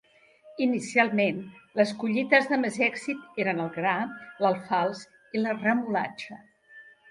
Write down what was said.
Inicialment, les collites de més èxit eren el gra, l'alfals i la remolatxa.